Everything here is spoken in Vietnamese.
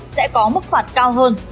sẽ có mức phạt cao hơn